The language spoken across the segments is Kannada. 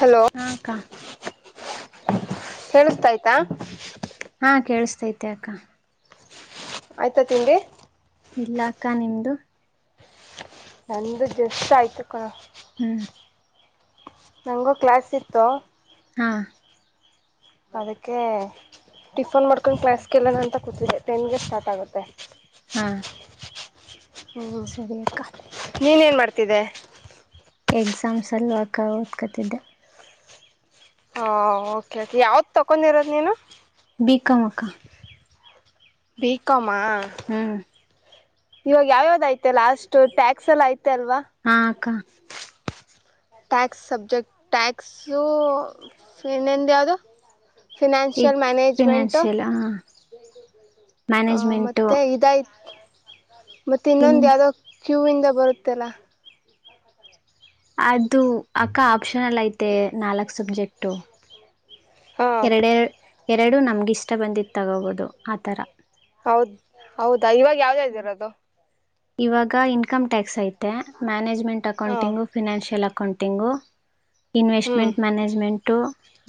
ಹಲೋ ಹಾ ಅಕ್ಕ ಹೇಳಿಸ್ತಾಯ್ತಾ. ಹಾ ಕೇಳಿಸತೈತೆ ಅಕ್ಕ. ಆಯ್ತಾ ತಿಂಡಿ. ಇಲ್ಲಾಕ್ಕ ನಿಮ್ದು. ನಂದು ಜಸ್ಟ್ ಆಯ್ತು ಕಣೋ. ಹ್ಮ್ ನನಗೂ ಕ್ಲಾಸ್ ಇತ್ತು. ಹಾ ಅದಕ್ಕೆ ಟಿಫನ್ ಮಾಡ್ಕೊಂಡು ಕ್ಲಾಸ್ಕಳಣ ಅಂತ ಕೂತಿದ್ದಿದೆ. ಟೆನ್ಗೆ ಸ್ಟಾರ್ಟ್ ಆಗುತ್ತೆ ಹಾ ಹ್ಞೊ. ಸರಿ ಅಕ್ಕ ನೀನ್ ಏನ್ ಮಾಡ್ತಿದ್ದೆ. ಎಕ್ಸಾಮ್ಸ್ ಅಲ್ವ ಅಕ್ಕ ಓದ್ಕತಿದ್ದೆ. ಹಾ ಓಕೆ ಓಕೆ ಯಾವ್ದು ತೊಗೊಂಡಿರೋದು ನೀನು. ಬಿಕಾಂ ಅಕ್ಕ. ಬಿ ಕಾಂ ಅ. ಹ್ಮ್ ಇವಾಗ ಯಾವ್ಯಾವ್ದ ಐತೆ ಲಾಸ್ಟು ಟ್ಯಾಕ್ಸ್ ಎಲ್ಲ ಐತೆ ಅಲ್ವಾ. ಹಾ ಅಕ್ಕಾ ಟ್ಯಾಕ್ಸ್ ಸಬ್ಜೆಕ್ಟ್ ಟ್ಯಾಕ್ಸು ಇನ್ನೊಂದು ಯಾವುದು? ಇದ್ ಫಿನನ್ಷಿಯಲ್ ಮ್ಯಾನೇಜ್ಮೆಂಟ್? ಫಿನಾನ್ಷಿಯಲ್ ಹ ಮ್ಯಾನೇಜ್ಮೆಂಟು ಮತ್ತೆ ಇದಾಯ್ತ ಮತ್ತೆ ಇನ್ ಇನ್ನೊಂದು ಯಾವುದೋ ಕ್ಯೂವಿಂದ ಬರುತ್ತಲ್ಲ. ಅದು ಅಕ್ಕ ಆಪ್ಷನಲ ಐತೆ ನಾಲ್ಕ್ ಸಬ್ಜೆಕ್ಟ. ಹಾ ಎರಡೆ ಎರಡು ನಮ್ಗಿ ಇಷ್ಟ ಬಂದಿದ್ದು ತಗೋಬೋದು ಆ ಥರ. ಹೌದ ಹೌದಾ ಇವಾಗ ಯಾವದ ಯಾವದು ಇದ್ದೀರೋದು. ಇವಾಗ ಇನ್ಕಮ ಟ್ಯಾಕ್ಸ್ ಐತೆ ಮ್ಯಾನೇಜ್ಮೆಂಟ್ ಹಾ ಅಕೌಂಟಿಂಗ. ಫಿನಾನ್ಷಿಯಲ್ ಅಕೌಂಟಿಂಗು, ಇನ್ವೆಸ್ಟ್ ಹ್ಮ್ ಮ್ಯಾನೇಜ್ಮೆಂಟು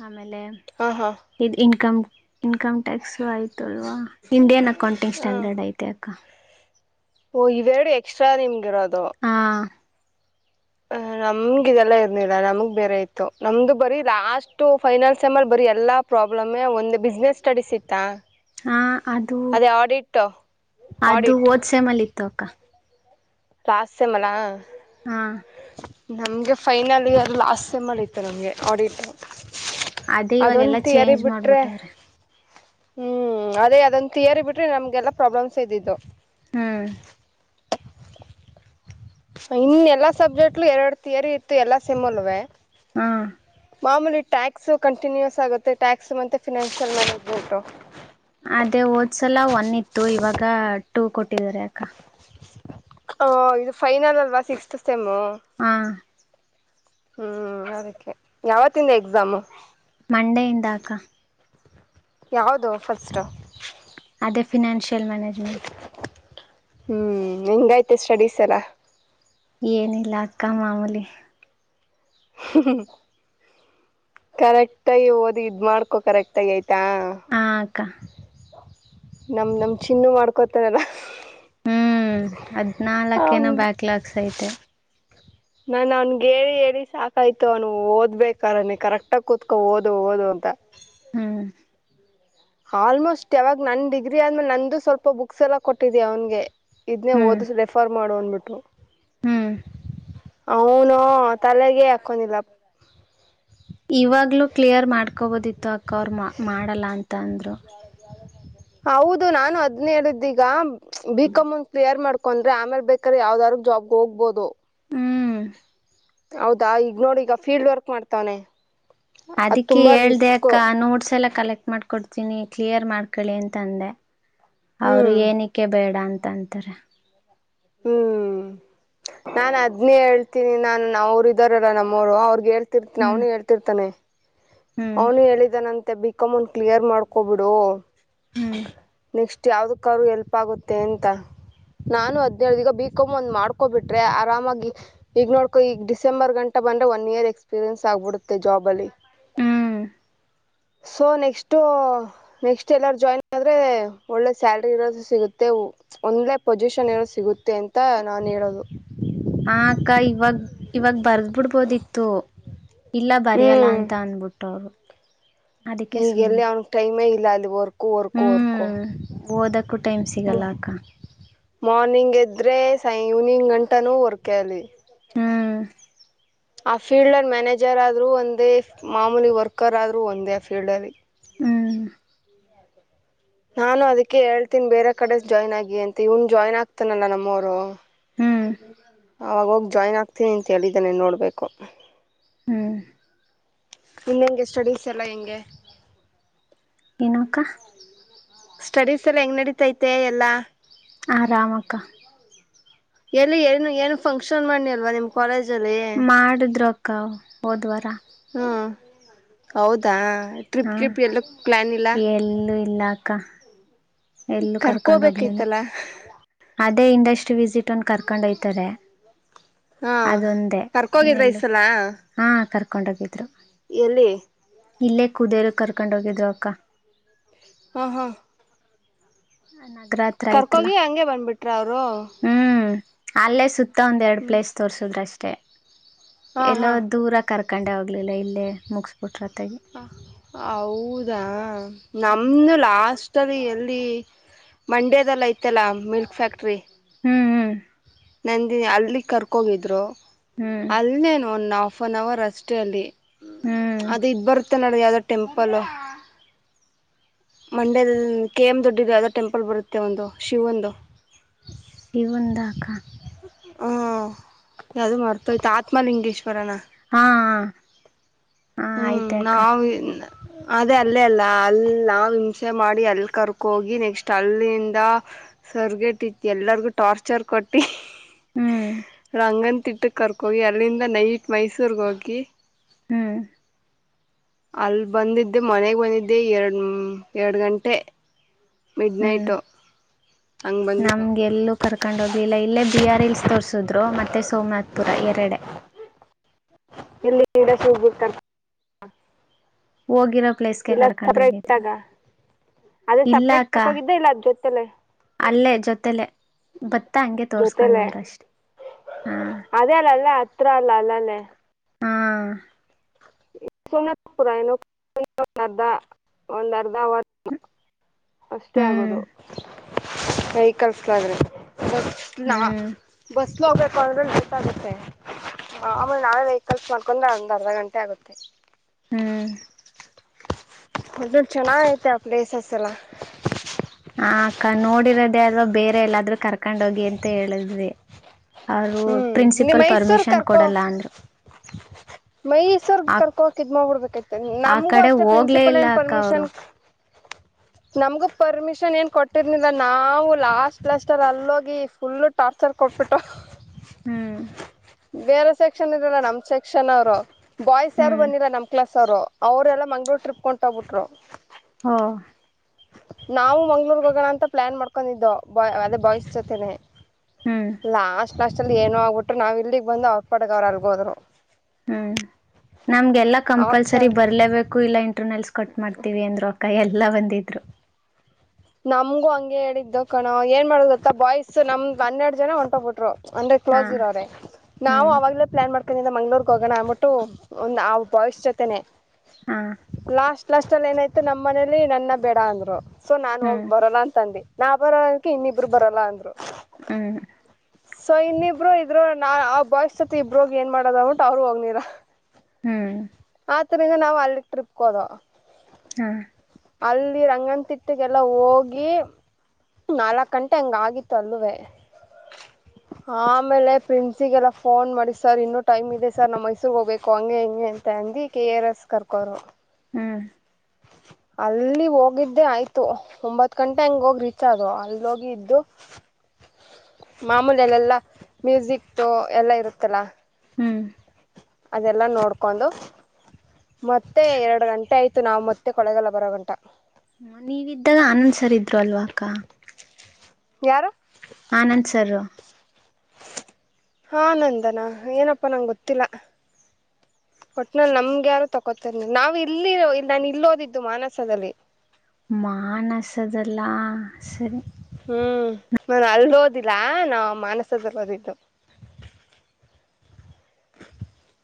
ಆಮೇಲೆ. ಹಾ ಹಾ ಇ ಇನ್ಕಮ್ ಇನ್ಕಮ್ ಟ್ಯಾಕ್ಸ್ ಆಯ್ತು ಅಲ್ವಾ, ಇಂಡಿಯನ್ ಅಕೌಂಟಿಂಗ್ ಸ್ಟ್ಯಾಂಡರ್ಡ್ ಐತೆ ಅಕ್ಕ ಓಹ ಇವೆರಡು ಎಕ್ಸ್ಟ್ರಾ ನಿಮ್ಗೆ ಇರೋದು ಹಾ ಹ ನಮ್ಗ ಇದೆಲ್ಲ ಇರಲಿಲ್ಲ ನಮಗ ಬೇರೆ ಇತ್ತು. ನಮ್ದು ಬರೀ ಲಾಸ್ಟ್ ಫೈನಲ್ ಸೆಮ ಬರಿ ಎಲ್ಲಾ. ಪ್ರಾಬ್ಲಮ್ಮೆ ಒಂದು ಬಿಸ್ನೆಸ್ ಸ್ಟಡೀಸ್ ಇತ್ತಾ. ಹಾ ಅದು ಅದೇ ಆಡಿಟ್ ಅದು ಆಡಿಟ್ ಹೋದ ಸೇಮಲ್ಲಿ ಇತ್ತು ಅಕ್ಕ. ಲಾಸ್ಟ ಸೇಮ್ ಅಲಾ? ಹಾ ನಮಗೆ ಫೈನಲ ಇಯರ್ ಲಾಸ್ಟ್ ಸಮಲ್ಲಿ ಇತ್ತು ನಮಗೆ ಆಡಿಟು. ಅದೇ ಅದೊಂದು ಇವಾಗೆಲ್ಲಾ ಥಿಯರಿ ಚೇಂಜ್ ಬಿಟ್ರೆ ಮಾಡ್ಬಿಟ್ಟವ್ರೆ ಹ್ಮ್ ಅದೇ ಅದು ಒಂದು ಥಿಯರಿ ಬಿಟ್ರಿ ನಮ್ಗೆಲ್ಲಾ ಪ್ರಾಬ್ಲಮ್ಸ್ ಇದ್ದಿದ್ದು. ಹ್ಮ್ ಇನ್ ಎಲ್ಲಾ ಸಬ್ಜೆಕ್ಟ್ಲು ಎರಡು ಥಿಯರಿ ಇತ್ತು ಎಲ್ಲಾ ಸೆಮ್ಮ್ ಅಲ್ಲವೇ ಹಾ ಮಾಮೂಲಿ ಟ್ಯಾಕ್ಸ್ ಕಂಟಿನ್ಯೂಸ್ ಆಗುತ್ತೆ. ಟ್ಯಾಕ್ಸ್ ಮತ್ತೆ ಫಿನಸಿಯಲ್ ಮಾಂಗೇಜ್ಮೆಂಟ್. ಅದೇ ಓದ್ಸಲ ಒನ ಇತ್ತು, ಇವಾಗ ಟೂ ಕೊಟ್ಟಿದಿದ್ದಾರೆ ಅಕ್ಕ. ಹ ಇದು ಫೈನಲ್ ಅಲ್ವಾ ಸಿಕ್ಸ್ತ ಸೆಮ್ಮು ಹಾ ಹ್ಮ್ ಅದಕ್ಕೆ ಯಾವತ್ತಿಂದ ಎಕ್ಸಾಮು? ಮಂಡೆ ಇಂದ ಅಕ್ಕಾ. ಯಾವುದು ಫಸ್ಟ್ ಅದೇ ಫಿನನ್ಷಿಯಲ್ ಮ್ಯೇಜ್ಮೆಂಟ್ ಹ್ಮ್ ಹೆಂಗಐ್ತ ಸ್ಟಡೀಸ್ ಎಲ್ಲ ಏನಿಲ್ಲ ಅಕ್ಕ ಮಾಮೂಲಿ ಕರೆಕ್ಟಾಗಿಿ ಓದಿ ಇದ್ ಮಾಡ್ಕೊ ಕರೆಕ್ಟ ಆಗಿ ಆಯ್ತಾ ಹಕ್ಕ ನಮ ನಮ್ ಚಿನ್ನ ಮಾಡ್ಕೊತಾರಲ್ಲ ಹ್ಮ್ ಹದ್ನಾಲ್ಕ ನ ಬ್ಯಾಕ್ ಲಾಕ್ಸ್ ಐತೆ ನಾನು ಅವ್ನ್ಗ ಹೇಳಿ ಹೇಳಿ ಸಾಕಾಯ್ತು ಅವನು ಓದ್ಬೇಕಾರನ ಕರೆಕ್ಟಾಗಿ ಕುತ್ಕೊಂಡ ಓದು ಓದು ಅಂತ ಹ್ಮ್ ಆಲ್ಮೋಸ್ಟ್ ಯಾವಾಗ ನನ್ ಡಿಗ್ರಿ ಆದ್ಮೇಲೆ ನಂದು ಸ್ವಲ್ಪ ಬುಕ್ಸ್ ಎಲ್ಲ ಕೊಟ್ಟಿದೀ ಅವನ್ಗೆ ಇದನ್ನೇ ಹ್ಮ್ ಓದಿಸಿ ರೆಫರ್ ಮಾಡು ಅಂದ್ಬಿಟ್ ಹ್ಮ್ ಅವನು ತಲೆಗೆ ಹಾಕೊಂಡಿಲ್ಲಪ್ಪ ಇವಾಗ್ಲುೂ ಕ್ಲಿಯರ್ ಮಾಡ್ಕೊಬೋದಿತ್ತು ಅಕ್ಕ ಅವರು ಮಾಡಲ್ಲ ಅಂತ ಅಂದ್ರು ಹೌದು ನಾನು ಹದ್ನೇಹೇಳಿದ ಈಗ ಬಿಕಾಂ ಒಂದ್ ಕ್ಲಿಯರ್ ಮಾಡ್ಕೊ [inaudible] ಕೊಂಡರೆ ಮೇಲೆ ಬೇಕರ ಯಾವ್ದಾದಾರ್ ಜಾಬ್ಗೆ ಹೋಗ್ಬಹದು. [inaudible] ಹೂ [inaudible] ಹೌದಾ ಈಗ ನೋಡ ಈಗ ಫೀಲ್ಡ್ ವರ್ಕ್ ಮಾಡ್ತವನೆ. [inaudible] ಅದಿಕ್ಕೆ ಹೇಳದೇ ಅಕ್ಕ ನೋಟ್ಸ್ ಎಲ್ಲಾ ಕಲೆಕ್ಟ್ ಮಾಡಕೊಡ್ತೀನಿ ಕ್ಲಿಯರ್ ಮಾಡ್ಕಳಿ ಅಂತಂದೆ. [inaudible] ಅವರು ಹ್ಮ್ ಏನಕ್ಕೆ ಬೇಡ ಅಂತ ಅಂತಾರೆ. ಹೂ ನಾನ ಅದ್ನೇ ಹೇಳ್ತೀನಿ ನಾನು ಅವರು ಇದ್ದಾರಲ್ಲ ನಮ್ಮವರು ಅವ್ರಗೆ ಹೇಳಿ [inaudible] ಸಿಟ್ಟ ಹ್ಮ್ ಅವನೇ ಹೇಳ್ತಿರ್ತಾನೆ. [inaudible] ಹ್ಮ್ ಅವನು ಹೇಳಿದ್ದಾನಂತೆ ಬಿಕಾಮ ಒಂದ ಕ್ಲಿಯರ್ ಮಾಡ್ಕೊಬಿಡು ಹ್ಮ್ ನೆಕ್ಸ್ಟ [inaudible] ಯಾವದೂಕಾರು ಹೆಲ್ಪ್ ಆಗುತ್ತೆ ಅಂತ ನಾನು ಹ್ಮ್ ಅದ ಹೇಳ ಈಗ ಬಿಕಾಂ ಒಂದ ಮಾಡ್ಕಬಿಟ್ರೆ ಆರಾಮಾಗಿ [inaudible] ಈಗ ನೋಡ್ಕೋ ಈಗ ಡಿಸೆಂಬರ್ ಗಂಟ ಬಂದ್ರೆ ಒನ್ ಇಯರ್ ಎಕ್ಸ್ಪೀರಿಯನ್ಸ್ ಆಗ್ಬಿಡುತ್ತೆ ಜಾಬ್ ಅಲ್ಲಿ. ಹ್ಮ್ ಸೊ ನೆಕ್ಸ್ಟು? ನೆಕ್ಸ್ಟು ಎಲ್ಲಾರೂ ಜಾಯಿನ್ ಆದ್ರೆ ಒಳ್ಳೆ ಸ್ಯಾಲ್ರಿ ಇರೋದು ಸಿಗುತ್ತೆ. [inaudible] ಒಂದ್ಲೇ ಪೊಸಿಷನ್ ಏನೂ ಸಿಗುತ್ತೆ ಅಂತ ನಾನ್ ಹೇಳದು. [inaudible] ಹಾ ಅಕ್ಕ ಇವತ್ತ ಇವಾಗ ಬರ್ದ್ ಬಿಡ್ಬೋದಿತ್ತು. [inaudible] ಇಲ್ಲ ಹ್ಞೂ ಬರಿಯಲ್ಲ ಅಂತ ಅಂದಬಿಟ್ಟ. [inaudible] ಈಗ ಎಲ್ಲಿ ಅವ್ನಿಗೆ ಟೈಮೇ ಇಲ್ಲ ಅಲ್ಲಿ ವರ್ಕು ವರ್ಕು ವರ್ಕು ಹ್ಮ್ ಓದಕ್ಕೂ ಟೈಮ್ ಅಲ್ಲ ಸಿಗಲ್ಲ ಅಕ್ಕ [inaudible] ಮಾರ್ನಿಂಗ್ ಎದ್ರೆ ಸಾಯ ಈವ್ನಿಂಗ್ ಗಂಟನು ವರ್ಕ್ ಅಲ್ಲಿ. [inaudible] ಹೂ [inaudible] ಆ ಫೀಲ್ಡಲ್ಲಿ ಮ್ಯಾನೇಜರ್ ಆದರೂ ಒಂದೇ ಮಾಮೂಲಿ ವರ್ಕರ್ ಆದ್ರೂ ಒಂದೇ ಆ ಫೀಲ್ಡ ಅಲ್ಲಿ. [inaudible] ಹೂ [inaudible] ನಾನು ಅದಕ್ಕೆ ಹೇಳ್ತನೀ ಬೇರೆ ಕಡೆ ಜಾಯ್ನ್ ಆಗಿ ಅಂತ ಇವನ್ ಜಾಯ್ನ್ ಆಗ್ತಾನಲ್ಲಾ ನಮ್ಮವರು [inaudible] ಹೂ [inaudible] ಅವಾಗ ಹೋಗಿ ಜಾಯ್ನ್ ಆಗ್ತೀನಿ ಅಂತ ಹೇಳಿದ್ದಾನೆ ನೋಡ್ಬೇಕು. [inaudible] ಹ್ಮ್ ನಿನ್ ಹೆಂಗೆ ಸ್ಟೆಡಿಸ್ ಎಲ್ಲ ಹೆಂಗೆ? [inaudible] ಏಕಾ? [inaudible] ಸ್ಟೆಡಿಸ್ ಎಲ್ಲ ಹೆಂಗ ನಡೀತೈತೆ ಎಲ್ಲಾ? [inaudible] ಆರಾಮ ಅಕ್ಕ. [inaudible] ಎಲ್ಲಿ ಏನು ಏನು ಫಂಕ್ಷನ್ ಮಾನೀ ಅಲ್ವಾ ನೀವ್ [inaudible] ಕಾಲೇಜ್ ಅಲ್ಲಿ? [inaudible] ಮಾಡಿದರೂ ಅಕ್ಕ ಹೋದ ವಾರ, [inaudible] ಹೂ ಹೌದಾ ಟ್ರಿಪ್ ಹಾ ಟ್ರಿಪ್ ಎಲ್ಲೂ [inaudible] ಎಲ್ಲೂ ಇಲ್ಲಕ್ಕ. [inaudible] ಎಲ್ಲೂ ಕರ್ಕೊಂಡ್ ಹೋಗ್ಲಿಲ್ಲ ಕರ್ಕೋಬೇಕಿತ್ತಲ್ಲ ಅದೇ ಇಂಡಸ್ಟ್ರಿ ವಿಸಿಟ್. [inaudible] ಇತ್ತನ ಕರ್ಕೊಂಡ ಹಯ್ತಾರೆ ಹಾಂ ಅದೊಂದೇ ಇನ್ನ ಕರ್ಕೋಗಿದ್ರ ಈ ಎಲ್ಲೂ ಸಲ [inaudible] ಹಾ ಕರ್ಕೊಂಡ ಹೊಗಿದ್ರು. [inaudible] ಎಲ್ಲಿ? [inaudible] ಇಲ್ಲೇ ಕುದೇರು ಕರ್ಕೊಂಡ ಹೋಗಿದ್ರು ಅಕ್ಕ. [inaudible] ಹಾ ಹಾ [inaudible] ಅನಲ್ಲ. [inaudible] ಕರ್ಕೋಗಿ ಹಂಗೆ ಬಂದ್ಬಿಟ್ರ ಅವರು? [inaudible] ಹು ಅಲ್ಲೇ ಸುತ್ತ ಒಂದ್ ಎರಡು ಪ್ಲೇಸ್ ತೋರ್ಸುದ್ರಷ್ಟೇ. ಹಾ [inaudible] ಎಲ್ಲೋ ಹಾ ದೂರ ಕರ್ಕೊಂಡೆ ಹೋಗ್ಲಿಲ್ಲ ಇಲ್ಲೇ ಮುಗಿಸಬಿಟ್ರೊತ್ತಗೆ. [inaudible] ಹೌದಾ ಹ್ಮ್ ನಮ್ಮದ ಲಾಸ್ಟಲ್ಲಿ ಎಲ್ಲಿ? [inaudible] ಮಂಡ್ಯದಲ್ ಐತೆಲ್ಲ ಮಿಲ್ಕ್ ಫ್ಯಾಕ್ಟ್ರಿ ಹ್ಮ್ ಹ್ಮ್ ನಂದಿನ ಅಲ್ಲಿಗೆ ಕರ್ಕೋಗಿದ್ರು ಹ್ಮ್ ಅಲ್ಲೇನು ಒಂದು ಆಾಫ್ ಆನ್ ಅವರ್ ಅಷ್ಟೇ ಅಲ್ಲಿ ಹ್ಮ್ ಅದ ಇದ್ ಬರುತ್ತೆ ನಡ ಯಾವ್ದೋ ಟೆಂಪಲ್ ಮಂಡ್ಯದಲ್ಲಿ ಕೆ ಎಮ್ ದೊಡ್ಡದು ಯದ ಟೆಂಪಲ್ ಬರುತ್ತೆ ಒಂದು ಶಿವೊಂದು ಶಿವಾನಂದ ಅಕ್ಕ ಹಾಞ ಅದು ಮರ್ತೋಯ್ತು ಆತ್ಮಲಿಂಗೇಶ್ವರನ ಹಾ ಹ ಹ್ಮ್ ನಾವು ಅದೇ ಅಲ್ಲೇ ಅಲ್ಲ ಅಲ್ಲಿ ನಾ ಹಿಂಸೆ ಮಾಡಿ ಅಲ್ಲಿ ಕರ್ಕೋಗಿ ನೆಕ್ಸ್ಟ್ ಅಲ್ಲಿಂದ ಸವರ್ಗೆ ಟ ಎಲ್ಲರಿಗು ಟಾರ್ಚರ್ ಕೊಟ್ಟು ಹ್ಮ್ ರಂಗನ್ ತಿಟ್ಟ ಕರ್ಕೋಗಿ ಅಲ್ಲಿಂದ ನೈಟ್ ಮೈಸೂರ್ಗೆ ಹೋಗಿ ಹ್ಮ್ ಅಲ್ ಬಂದಿದ್ದೆ ಮನೆಗ್ ಬಂದಿದ್ದೆ ಎರಡ್ ಎರಡ್ ಗಂಟೆ ಮಿಡ್ ಹ್ಮ್ ನೈಟು ಹಂಗ್ ಬಂದೋ ನಮ್ಗೆಲ್ಲೂ ಕರ್ಕೊಂಡ್ ಹೋಗ್ಲಿಲ್ಲ ಇಲ್ಲೇ ಬಿ ಆರ್ ಇಿಲ್ಸ್ ತೋರ್ಸಿದ್ರು ಮತ್ತೆ ಸೋಮನಾಥ್ ಪುರ ಎರಡೆ ಎಲ್ಲಿ ಗಡ ಶಬಿಟ್ಟ ಹೋಗಿರೋ ಪ್ಲೇಸ್ಗೆ ಇಲ್ಲ ಸಪ್ರೇಟ್ ಕರ್ಕೊಂಡೋಗಿದ್ರು ಆಗ ಅದೇ ಸಪ್ರೇಟ್ ಇಲ್ಲಕ್ಕ ತಕೋಗಿದ್ದೆ ಇಲ್ಲ ಅದ್ ಜೊತೆಲೆ ಅಲ್ಲೇ ಜೊತೆಲೆ ಬತ್ತ ಹಂಗೆ ತೋರ್ಸ್ಕೊಂಡ್ ಜೊತೆಲೆ ಬಂದ್ರ ಅಷ್ಟೇ ಅದೇ ಅಲ್ಲ ಅಲ್ಲೇ ಹತ್ರ ಅಲ್ಲ ಅಲ್ಲ ಅಲ್ಲೇ ಹಾ ಸು ಪೂರ ಏನು ಅರ್ಧ ಒಂದ್ ಅರ್ಧ ವರ್ ಹ್ಮ ಅಷ್ಟೇ ಆಗೋದು ವೆಹಿಕಲ್ಸ್ಾದ್ರೆ ಬಸ್ ನಾ ಹ್ಮ್ ಬಸ್ ಸ್ಲೋ ಬೇಕು ಅಂದರೆ ಲೇಟ್ ಆಗುತ್ತೆ ಆಮೇಲೆ ನಾವೇ ವೆಹಿಕಲ್ಸ್ ಮಾಡ್ಕೊಂಡ್ರೆ ಒಂದು ಅರ್ಧ ಗಂಟೆ ಆಗುತ್ತೆ ಹ್ಮ್ ಅ ಚೆನ್ನ ಐತೆ ಆ ಪ್ಲೇಸಸ್ ಎಲ್ಲ ಹ ಕ ನೋಡಿರೋದೇ ಅಲ್ವಾ ಬೇರೆ ಎಲ್ಲಾದ್ೂ ಕರ್ಕೊಂಡ್ ಹೋಗಿ ಅಂತ ಹೇಳಿದ್ವಿ ಅವರು ಹ್ಮ್ ಇಲ್ಲಿ ಪ್ರಿನ್ಸಿಪಲ್ ಪರ್ಮಿಷನ್ ಕೊಡಲ್ಲ ಅಂದ್ರು ಹಾ ಮೈಸವರ್ ಆ ಕರ್ಕೋಕಕ್ ಇದ್್ಮ್ಬ ಬಿಡ್ಬೇಕೈತಿ ಆ ನಮ್ಗೂ ಕಡೆ ಅಷ್ಟೇ ಹೋಗ್ಲೇ ಪ್ರಿನ್ಸಿಪಲ್ ಇಲ್ಲ ಏನ್ ಅಕ್ಕ ಅವರು ಪರ್ಮಿಷನ್ ಹಾ ನಮ್ಗೆ ಪರ್ಮಿಷನ್ ಏನು ಕೊಟ್ಟಿರ್ನಿಂದ ನಾವು ಲಾಸ್ಟ್ ಪ್ಲಸ್ಟರ್ ಅಲ್ಲೋಗಿ ಫುಲ್ಲು ಟಾರ್ಚರ್ ಕೊಟ್ಬಿಟ್ಟು ಹ್ಮ್ ಬೇರೆ ಸೆಕ್ಷನ್ ಇದರ ನಮ ಸೆಕ್ಷನ್ ಅವರು ಬಾಯ್ಸ್ ಯಾರು ಹ್ಮ್ ಬನ್ನಿಲ್ಲ ನಮ್ಮ ಕ್ಲಸ್ ಅವರು ಅವರೆಲ್ಲಂಗ್ಳೂರು ಟ್ರಿಪ್ಕೊಂಡ್ ತೋಗ್ಬಿಟ್ರು ಹಾ ನಾವು ಮಂಗ್ಳೂರ್ಗ್ ಹೋಗೋಣ ಅಂತ ಪ್ಲಾನ್ ಮಾಡ್ಕೊಂಡಿದ್ದವು ಬಾಯ್ ಅದೇ ಬಾಯ್ಸ್ ಜೊತೆನೆ ಹ್ಮ್ ಲಾಸ್ಟ್ ನಷ್ಟಲ್ಲಿ ಏನ ಆಗ್ಬಿಟ್ರು ನಾವ್ ಇಲ್ಲಿಗ್ ಬಂದು ಅವ್ರ ಪಡಗ ಅವರು ಅಲ್ಗೋದ್ರು ಹ್ಮ್ ನಮ್ಗೆಲ್ಲಾ ಅವಾಗ ಚ ಕಂಪಲ್ಸರಿ ಬರ್ಲೇಬೇಕು ಇಲ್ಲ ಇಂಟರ್ನಲ್ಸ್ ಕಟ್ ಮಾಡ್ತೀವಿ ಅಂದ್ರು ಕೈ ಎಲ್ಲ ಒಂದಿದ್ರು ನಮ್ಗೂ ಹಂಗೆ ಹೇಳಿದ್ದು ಕಣ ಏನ್ ಮಾಡುದತ್ತ ಬಾಯ್ಸ್ ನಮ್ ಹನ್ನೆರಡು ಜನ ಹೊಂಟೋಗ್ಬಿಟ್ರು ಅಂದ್ರೆ ಹಾ ಕ್ಲೋಸ್ ಇರೋ್ರೆ ನಾವು ಹ್ಮ್ ಅವಾಗ್ಲೇ ಪ್ಲಾನ್ ಮಾಡ್ವಿ ಅಕ್ಕನಿಂದ ಮಂಗ್ಳೂರ್ ಹೋಗೋಣ ಅಬಿಟ್ಟು ಒಂದು ಬಾಯ್ಸ್ ಜೊತೆನೆ ಹಾ ಲಾಸ್ಟ್ ಫಸ್ಟ್ಲ್ಲಿ ಏನಾಯ್ತು ನಮ್ಮ ಮನೇಲಿ ನನ್ನ ಬೇಡ ಅಂದ್ರು ಸೊ ನಾನ್ ಹೋಗಿ ಹ್ಮ್ ಬರೋಲ್ಲ ಅಂತಂದೆ. ನಾ ಬರೋಲ್ ಅಂದಿದ್ದಕ್ಕೆ ಇನ್ನಿಬ್ರು ಬರಲ್ಲ ಅಂದ್ರು. ಹ್ಮ್. ಸೊ ಇನ್ನಿಬ್ಬರು ಇದರು ನಾ ಆ ಬಾಯ್ಸ್ ಜೊತೆ ಇಬ್ಬ್ರೋಗಿ ಏನು ಮಾಡೋದ್ಬಿಟ್ಟು ಅವರು ಹೋಗಲಿಲ್ಲ. ಹ್ಮ್. ಆತ್ರಿಗ ನಾವ್ ಅಲ್ಲಿಗ್ ಟ್ರಿಪ್ಗ ಹೋದೊ. ಹಾ, ಅಲ್ಲಿ ರಂಗನ್ ತಿಟ್ಟಕ್ಕೆಲ್ಲ ಹೋಗಿ. ನಾಲ್ಕ್ ಗಂಟೆ ಹಂಗ ಆಗಿತ್ತು ಅಲ್ಲೂವೇ. ಆ ಆಮೇಲೆ ಪ್ರಿನ್ಸಿಗೆಲ್ಲ ಫೋನ್ ಮಾಡಿ ಸರ್ ಇನ್ನೂ ಟೈಮ್ ಇದೆ ಸರ್. ನಮ್ಮ ಮೈಸೂರ್ ಹೋಗ್ಬೇಕು ಹಂಗೆ ಹಿಂಗೆ, ತಂದಿ ಕೆ ಆರ್ ಎಸ್ ಕರ್ಕೋರು. ಹ್ಮ್. ಅಲ್ಲಿ ಹೋಗಿದ್ದೆ ಆಯ್ತು ಒಂಬತ್ ಗಂಟೆ ಹಂಗ ಹೋಗಿ ರೀಚ್ ಆದೊ ಅಲ್ಲಿ ಹೋಗಿ ಇದ್ದು. ಮಾಮೂಲಿಲ್ಲೆಲ್ಲಾ ಮ್ಯೂಸಿಕ್ದು ಎಲ್ಲಾ ಇರುತ್ತಲ್ಲ. ಹ್ಮ್. ಅದೆಲ್ಲ ನೋಡ್ಕೊಂದು ಮತ್ತೆ ಎರಡು ಗಂಟೆ ಆಯತ ಮತ್ತು ನಾವು ಮತ್ತೆ ಕೊಳಗಲ್ಲ ಬರೋ ಗಂಟ. ನೀವಿದ್ದಾಗ ಆನಂದ್ ಸರ್ ಇದ್ರು ಅಲ್ವಾ ಅಕ್ಕ. ಯಾರು, ಆನಂದ್ ಸರ್. ಹಾ ನಂದನ ಏನಪ್ಪಾ ನಂಗ ಗೊತ್ತಿಲ್ಲ. ಒಟ್ನಲ್ಲಿ ನಮ್ಗೆ ಯಾರು ತೊಕೋತರ್ ನಾವ್ ಇಲ್ಲಿ ಇಲ್ ನಾನು ಇಲ್ಲಿ ಓದಿದ್ದು ಮಾನಸದಲ್ಲಿ. ಮಾನಸದಲ್ಲಾ ಸರಿ. ಹ್ಮ್ ನಾನ್ ಅಲ್ಲ ಓದಿಲ್ಲ ನಾ ಮಾನಸದಲಿ ಓದಿದ್ದು. [inaudible]